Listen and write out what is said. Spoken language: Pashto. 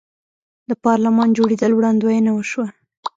د پارلمان جوړیدل وړاندوینه وشوه.